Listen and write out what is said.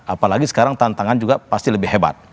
apalagi sekarang tantangan juga pasti lebih hebat